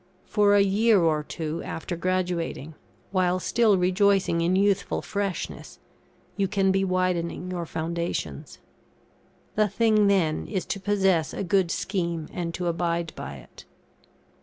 For a year, or two after graduating, while still rejoicing in youthful freshness, you can be widening your foundations. The thing then is, to possess a good scheme and to abide by it.